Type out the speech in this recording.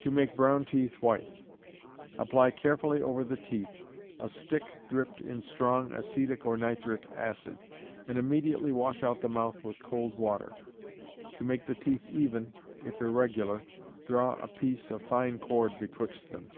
To Make Brown Teeth White. Apply carefully over the teeth, a stick dipped in strong acetic or nitric acid, and immediately wash out the mouth with cold water. To make the teeth even, if irregular, draw a piece of fine cord betwixt them.